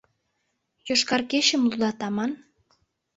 «Йошкар кечым» лудат аман?..